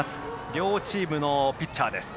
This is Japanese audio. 両チームのピッチャーです。